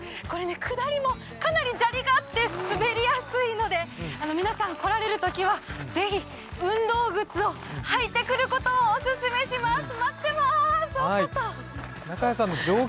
下りもかなり砂利があって滑りやすいので皆さん、来られるときはぜひ運動靴を履いてくることをオススメします。